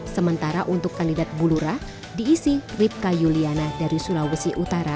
sementara untuk kandidat bulurah diisi ripka juliana dari sulawesi utara